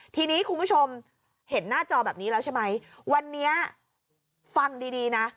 ทีนี้คุณผู้ชมเห็นหน้าจอแบบนี้แล้วใช่ไหมวันนี้ฟังดีดีนะ